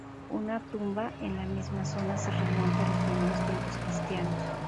Una tumba en la misma zona se remonta a los primeros tiempos cristianos.